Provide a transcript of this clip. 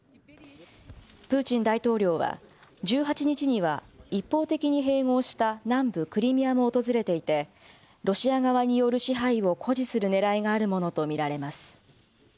プーチン大統領は、１８日には、一方的に併合した南部クリミアも訪れていて、ロシア側による支配を誇示するねらいがあるものと見られます。